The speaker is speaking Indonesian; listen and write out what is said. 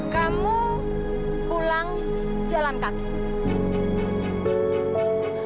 kamu pulang jalan kaki